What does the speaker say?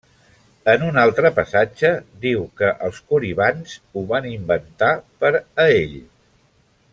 En un altre passatge diu que els Coribants ho van inventar per a ell.